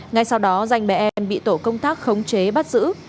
ngay sau đó danh bé em bị tổ công tác khống chế bắt giữ